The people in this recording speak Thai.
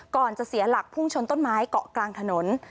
ก่อนจะเสียหลักพุ่งชนต้นไม้เกาะกลางถนน